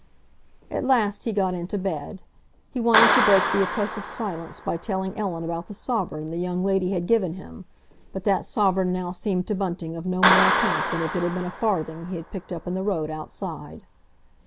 At last he got into bed. He wanted to break the oppressive silence by telling Ellen about the sovereign the young lady had given him, but that sovereign now seemed to Bunting of no more account than if it had been a farthing he had picked up in the road outside.